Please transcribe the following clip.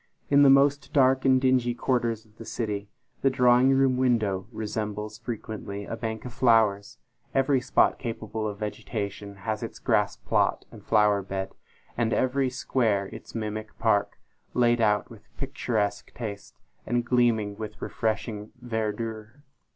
In the most dark and dingy quarters of the city, the drawing room window resembles frequently a bank of flowers; every spot capable of vegetation has its grass plot and flower bed; and every square its mimic park, laid out with picturesque taste, and gleaming with refreshing verdure.